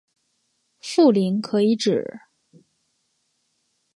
富临可以指